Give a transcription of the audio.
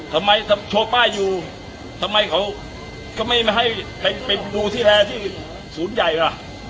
ทำไมโชว์ป้ายอยู่ทำไมเขาก็ไม่ให้ไปดูที่แรที่ศูนย์ใหญ่ล่ะ